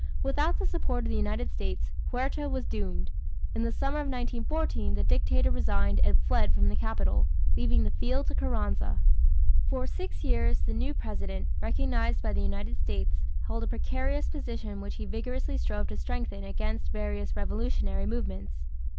Without the support of the United States, Huerta was doomed. In the summer of 1914, the dictator resigned and fled from the capital, leaving the field to Carranza. For six years the new president, recognized by the United States, held a precarious position which he vigorously strove to strengthen against various revolutionary movements.